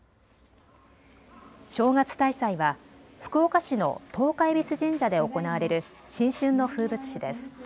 正月大祭は福岡市の十日恵比須神社で行われる新春の風物詩です。